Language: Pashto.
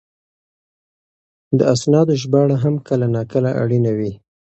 د اسنادو ژباړه هم کله ناکله اړینه وي.